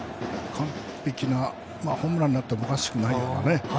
完璧なホームランになってもおかしくないような。